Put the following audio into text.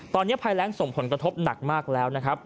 ตอนนี้ภายแรงส่งผลกระทบหนักมากแล้วนะครับ